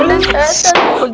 ini ada setan